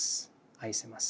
愛せます。